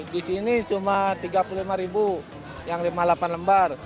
di sini cuma tiga puluh lima ribu yang lima puluh delapan lembar